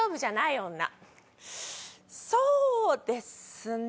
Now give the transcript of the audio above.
そうですね。